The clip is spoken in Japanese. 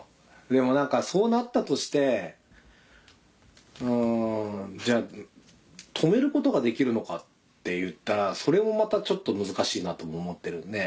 でも何かそうなったとしてうんじゃあ止めることができるのかっていったらそれもまたちょっと難しいなとも思ってるんで。